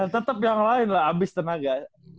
tetep yang lain lah abis tenaga